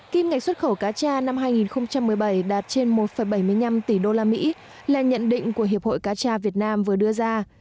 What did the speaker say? kim ngạch xuất khẩu cá tra năm hai nghìn một mươi bảy đạt trên một bảy mươi năm tỷ usd là nhận định của hiệp hội cá tra việt nam vừa đưa ra